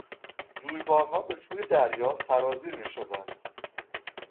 جویبارها به سوی دریا سرازیر میشدند.